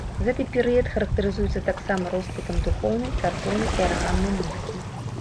Гэты перыяд характарызуецца таксама росквітам духоўнай, царкоўнай і арганнай музыкі.